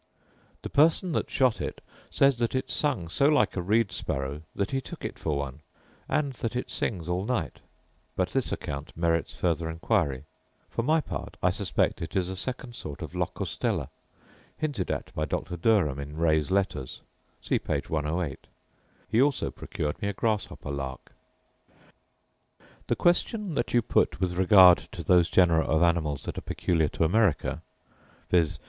The person that shot it says that it sung so like a reed sparrow that he took it for one; and that it sings all night; but this account merits further inquiry. For my part, I suspect it is a second sort of locustella, hinted at by Dr. Derham in Ray's Letters: see p. 108. He also procured me a grasshopper lark. * For this salicaria see letter August 30, 1769. The question that you put with regard to those genera of animals that are peculiar to America, viz.